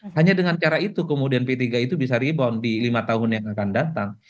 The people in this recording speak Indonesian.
hanya dengan cara itu kemudian p tiga itu bisa rebound di lima tahun yang akan datang